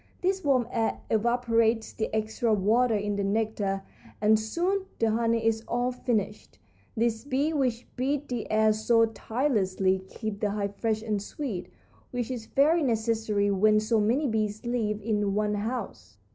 This warm air evaporates the extra water in the nectar, and soon the honey is all finished. These bees which beat the air so tirelessly keep the hive fresh and sweet, which is very necessary when so many bees live in one house.